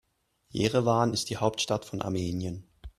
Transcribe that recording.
Jerewan ist die Hauptstadt von Armenien.